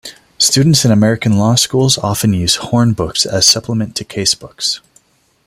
Students in American law schools often use hornbooks as supplements to casebooks.